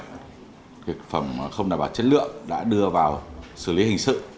thực phẩm không đảm bảo chất lượng đã đưa vào xử lý hình sự